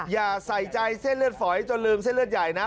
อย่าใส่ใจเส้นเลือดฝอยจนลืมเส้นเลือดใหญ่นะ